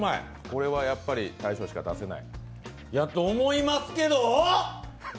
これはやっぱり大将しか出せない？と、思いますけど！？